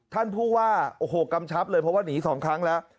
ท่านผู้ว่าโอ้โหกำชับเลยเพราะว่าหนี๒ครั้งแล้ว